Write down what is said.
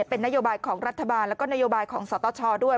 เป็นนโยบายของรัฐบาลแล้วก็นโยบายของสตชด้วย